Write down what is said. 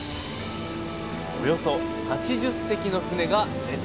およそ８０隻の船が出て行く